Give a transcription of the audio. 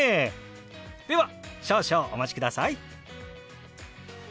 では少々お待ちください。